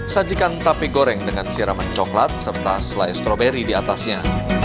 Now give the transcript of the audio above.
sajikan tape goreng dengan siraman coklat serta selai stroberi di atasnya